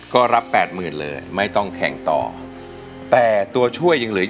คุณยายแดงคะทำไมต้องซื้อลำโพงและเครื่องเสียง